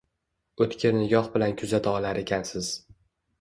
O’tkir nigoh bilan kuzata olar ekansiz.